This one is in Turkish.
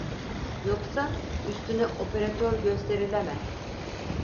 Yoksa, üstüne operatör gösterilemez.